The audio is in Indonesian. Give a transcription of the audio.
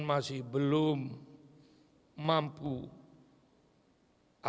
saya sangat berharap mereka akan men resuroute ke flipping war